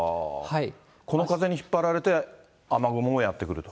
この風に引っ張られて、雨雲がやって来ると。